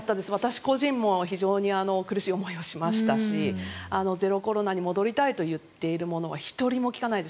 個人でもつらい思いをしましたしゼロコロナに戻りたいといっている者は１人も聞かないです。